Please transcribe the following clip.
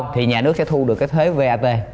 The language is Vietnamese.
thì nhà nước sẽ thu được cái thuế vap